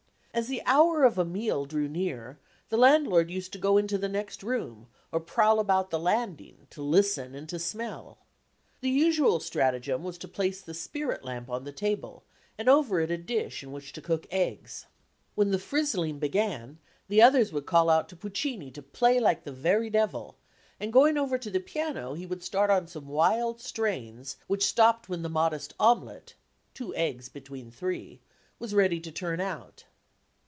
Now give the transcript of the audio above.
As the hour of a meal drew near, the landlord used to go into the next room, or prowl about the landing, to listen and to smell. The usual stratagem was to place the spirit lamp on the table and over it a dish in which to cook eggs. When the frizzling began, the others would call out to Puccini to play "like the very devil," and going over to the piano he would start on some wild strains which stopped when the modest omelette two eggs between three was ready to turn out.